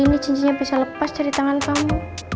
ini jisnya bisa lepas dari tangan kamu